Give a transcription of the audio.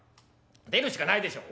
出るしかないでしょ」。